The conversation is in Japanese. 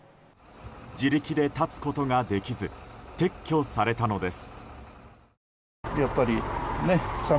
自力で立つことができず撤去されたのです。